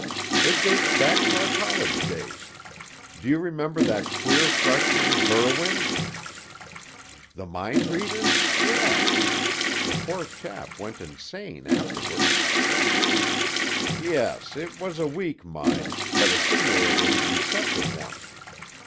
"It dates back to our college days. Do you remember that queer freshman, Berwind?" "The mind reader? Yes. The poor chap went insane afterward." "Yes. It was a weak mind, but a singularly receptive one.